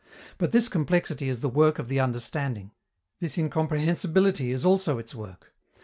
But this complexity is the work of the understanding; this incomprehensibility is also its work.